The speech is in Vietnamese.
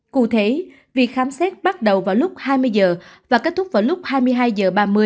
cụ thể việc khám xét bắt đầu vào lúc hai mươi h và kết thúc vào lúc hai mươi hai h ba mươi